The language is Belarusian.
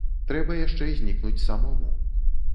Трэба яшчэ знікнуць самому.